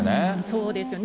そうですよね。